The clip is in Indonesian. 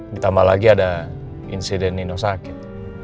ditambah lagi ada insiden nino sakit